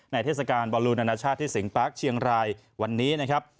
เทศกาลบอลลูนานาชาติที่สิงปาร์คเชียงรายวันนี้นะครับ